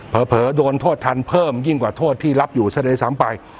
เผลอเผลอโดนโทษทันเพิ่มยิ่งกว่าโทษที่รับอยู่เสด็จสามไป